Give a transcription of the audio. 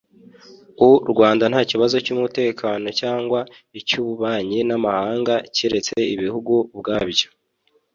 u Rwanda nta kibazo rufite cy’ umutekano cyangwa icy’ ububanyi n’ amahanga cyeretse ibihugu ubwabyo